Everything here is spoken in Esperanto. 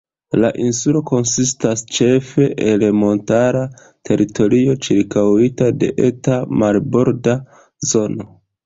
La insulo konsistas ĉefe el montara teritorio ĉirkaŭita de eta marborda zono.